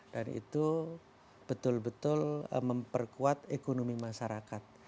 itu betul betul memperkuat ekonomi masyarakat